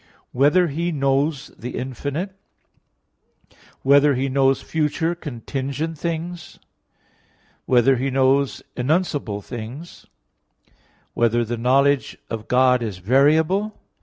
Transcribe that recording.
(12) Whether He knows the infinite? (13) Whether He knows future contingent things? (14) Whether He knows enunciable things? (15) Whether the knowledge of God is variable?